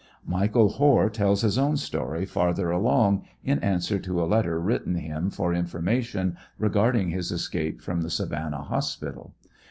Michael Hoare tells his own story farther along, in answer to a let ter written him for information regarding his escape from the Sa vannah hospital.